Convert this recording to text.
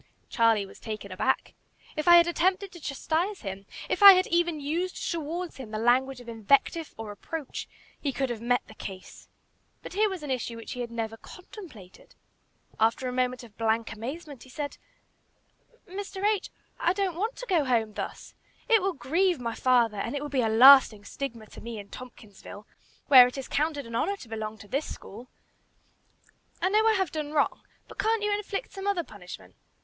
Charlie was taken aback. If I had attempted to chastise him, if I had even used towards him the language of invective or reproach, he could have met the case. But here was an issue which he had never contemplated. After a moment of blank amazement, he said: "Mr. H., I don't want to go home thus. It will grieve my father, and it will be a lasting stigma to me in Tompkinsville, where it is counted an honor to belong to this school. I know I have done wrong, but can't you inflict some other punishment?